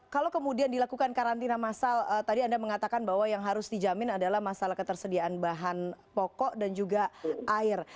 kalau kemudian dilakukan karantina massal tadi anda mengatakan bahwa yang harus dijamin adalah masalah ketersediaan bahan pokok dan juga air